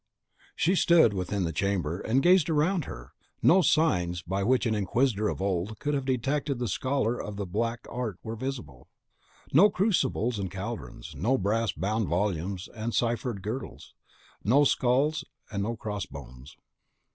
She stood within the chamber, and gazed around her; no signs by which an inquisitor of old could have detected the scholar of the Black Art were visible. No crucibles and caldrons, no brass bound volumes and ciphered girdles, no skulls and cross bones.